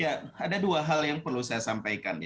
ya ada dua hal yang perlu saya sampaikan